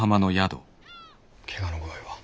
怪我の具合は？